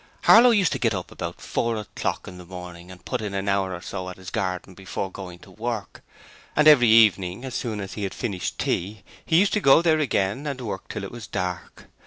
Harlow used to get up about four o'clock in the morning and put in an hour or so at his garden before going to work; and every evening as soon as he had finished tea he used to go there again and work till it was dark.